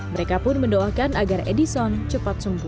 mereka pun mendoakan agar edison cepat sembuh